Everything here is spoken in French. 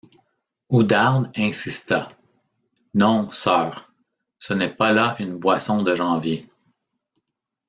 Oudarde insista. — Non, sœur, ce n’est pas là une boisson de janvier.